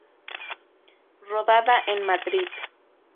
Rodada en Madrid.